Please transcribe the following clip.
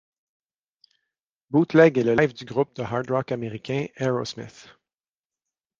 Bootleg est le live du groupe de hard rock américain, Aerosmith.